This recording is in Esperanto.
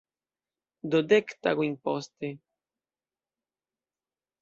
Do dek tagojn poste.